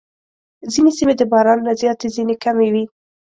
ځینې سیمې د باران نه زیاتې، ځینې کمې وي.